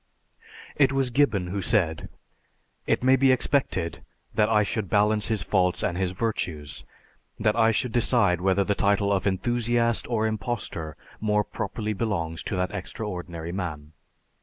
It was Gibbon who said, "It may be expected that I should balance his faults and his virtues, that I should decide whether the title of enthusiast or impostor more properly belongs to that extraordinary man....